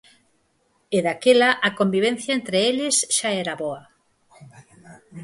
E daquela a convivencia entre eles xa era boa.